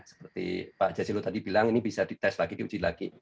seperti pak jasilu tadi bilang ini bisa dites lagi diuji lagi